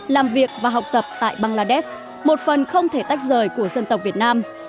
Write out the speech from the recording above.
làm việc và học tập tại bangladesh một phần không thể tách rời của dân tộc việt nam